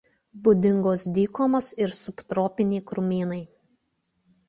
Būdingos dykumos ir subtropiniai krūmynai.